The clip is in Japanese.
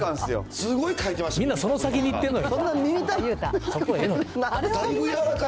みんなその先にいってんのよそうか。